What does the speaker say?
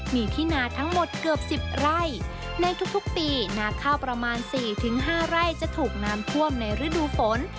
มีที่นาทั้งหมดเกือบ๑๐ไร่ในทุกปีนาข้าวประมาณ๔๕ไร่จะถูกน้ำท่วมในฤดูฝน